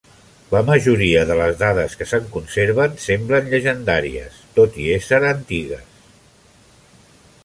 La majoria de les dades que se'n conserven semblen llegendàries, tot i ésser antigues.